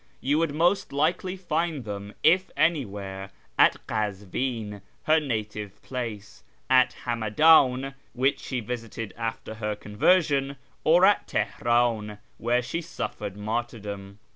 You would most likely find them, if anywhere, at Kazvin, her native place, at Hamadan, which she visited after her conversion, or at Teheran, where she suffered martyrdom.